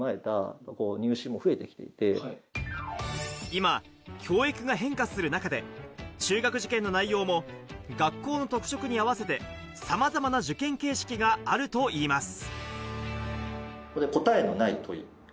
今、教育が変化する中で、中学受験の内容も学校の特色に合わせて様々な受験形式があるといいます。